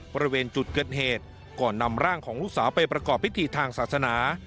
บริเวณจุดเกิดเหตุก่อนนำร่างของลูกสาวไปประกอบพิธีทางศาสนา